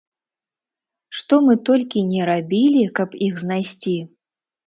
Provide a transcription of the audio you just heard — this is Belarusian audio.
Што мы толькі не рабілі, каб іх знайсці.